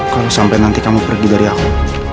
kalau sampai nanti kamu pergi dari aku